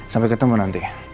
sampai ketemu nanti